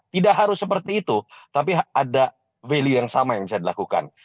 tidak harus seperti itu tapi ada value yang sama yang bisa dilakukan